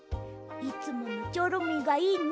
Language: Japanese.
いつものチョロミーがいいね。